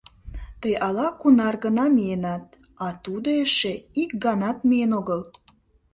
— Тый ала-кунар гана миенат, а тудо эше ик ганат миен огыл.